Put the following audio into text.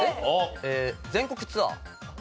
えー全国ツアー。